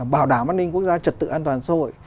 bảo đảm an ninh quốc gia trật tự an toàn xã hội